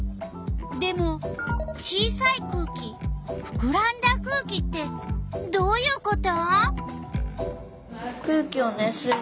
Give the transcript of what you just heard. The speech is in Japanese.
でも「小さいくうき」「ふくらんだ空気」ってどういうこと？